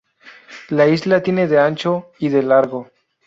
La isla tiene de ancho y de largo.